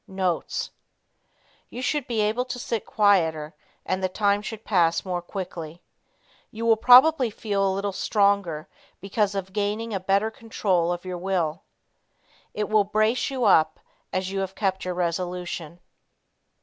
Notes. You should be able to sit quieter, and the time should pass more quickly. You will probably feel a little stronger because of gaining a better control of your will. It will brace you up, as you have kept your resolution.